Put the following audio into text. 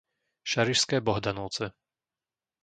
Šarišské Bohdanovce